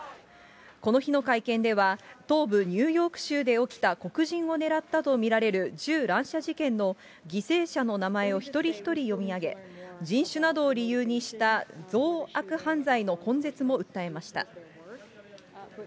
この日の会見では、東部ニューヨーク州で起きた、黒人を狙ったと見られる銃乱射事件の犠牲者の名前をひとりひとり読み上げ人種などを理由にした増悪犯罪の根絶も訴えました。